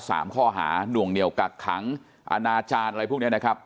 สามข้อหาหน่วงเหนียวกักขังอาณาจารย์อะไรพวกเนี้ยนะครับ